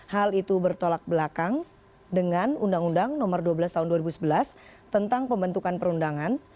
hal itu bertolak belakang dengan undang undang nomor dua belas tahun dua ribu sebelas tentang pembentukan perundangan